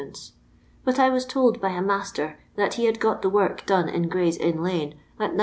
but I was told by a roaster that he had got the work done in Gray'sinn Une at 9(2.